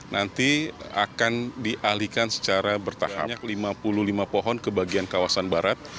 nanti akan dialihkan secara bertahap lima puluh lima pohon ke bagian kawasan barat